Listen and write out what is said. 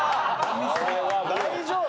大丈夫？